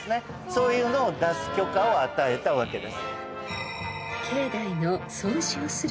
そういうのを出す許可を与えたわけです。